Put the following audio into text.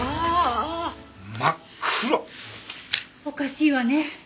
おかしいわね。